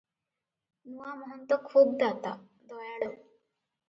ନୂଆ ମହନ୍ତ ଖୁବ୍ ଦାତା, ଦୟାଳୁ ।